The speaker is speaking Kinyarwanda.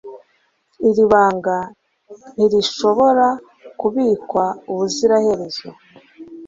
Iri banga ntirishobora kubikwa ubuziraherezo